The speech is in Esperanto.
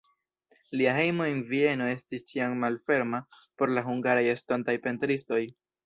Lia hejmo en Vieno estis ĉiam malferma por la hungaraj estontaj pentristoj.